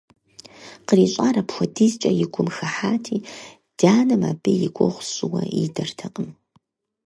КърищӀар апхуэдизкӀэ и гум хыхьати, дянэм абы и гугъу сщӀыуэ идэртэкъым.